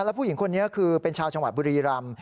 แล้วผู้หญิงคนนี้คือเป็นชาวจังหวัดบุรีรำ